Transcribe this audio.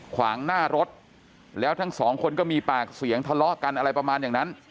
ขวางหน้ารถแล้วทั้งสองคนก็มีปากเสียงทะเลาะกันอะไรประมาณอย่างนั้น